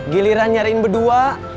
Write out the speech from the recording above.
giliran nyariin berdua